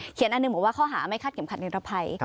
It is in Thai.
อันหนึ่งบอกว่าข้อหาไม่คาดเข็มขัดนิรภัย